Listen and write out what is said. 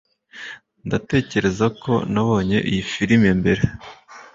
ndatekereza ko nabonye iyi firime mbere